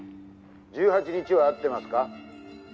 「１８日は会ってますか？」